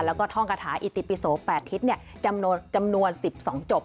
แล้วก็ท่องกระถาอิติปิโสแปดทิศเนี้ยจำนวนจำนวนสิบสองจบ